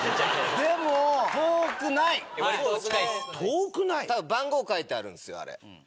ピンポン番号書いてあるんすよあれ。